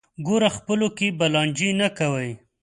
ګوره خپلو کې به لانجې نه کوئ.